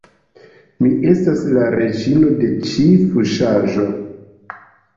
Mi estas la reĝino de ĉi fuŝaĵo